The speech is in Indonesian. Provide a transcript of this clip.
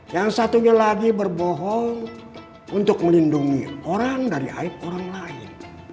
yang satunya lagi berbohong untuk melindungi orang dari aib orang lain